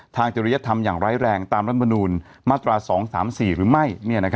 จริยธรรมอย่างร้ายแรงตามรัฐมนูลมาตรา๒๓๔หรือไม่